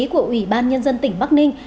của ủy ban nhân dân tỉnh bắc ninh